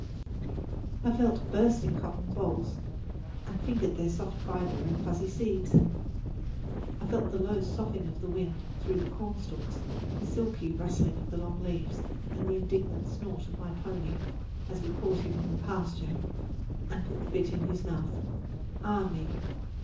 I felt the bursting cotton bolls and fingered their soft fiber and fuzzy seeds; I felt the low soughing of the wind through the cornstalks, the silky rustling of the long leaves, and the indignant snort of my pony, as we caught him in the pasture and put the bit in his mouth ah me!